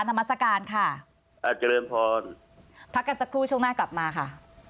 นามัศกาลค่ะอาเจริญพรพักกันสักครู่ช่วงหน้ากลับมาค่ะ